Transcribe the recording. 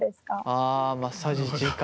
あマッサージ時間。